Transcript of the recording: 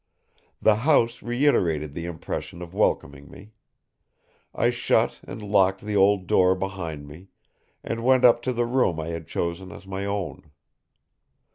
The house reiterated the impression of welcoming me. I shut and locked the old door behind me, and went up to the room I had chosen as my own.